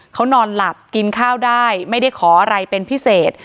เขานอนหลับกินข้าวได้ไม่ได้ขออะไรเป็นพิเศษ